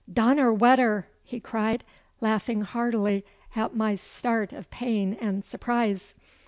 'Donnerwetter!' he cried, laughing heartily at my start of pain and surprise.